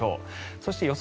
そして予想